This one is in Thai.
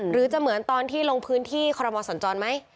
หรือจะเหมือนตอนที่ลงพื้นที่คศไหม